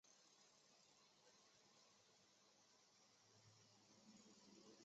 歌地亚在德国的一个富有的天主教家庭长大。